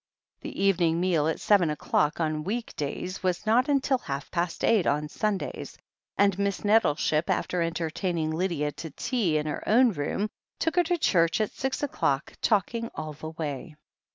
The evening meal, at seven o'clock on week days, was not until half past eight on Sundays, and Miss Nettleship, after entertaining Lydia to tea in her own room, took her to church at six o'clock, talking all the way.